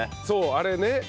そうあれね。